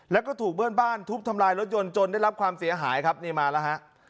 แล้วก็ถูกเพื่อนบ้านทุบทำลายรถยนต์จนได้รับความเสียหายครับนี่มาแล้วฮะ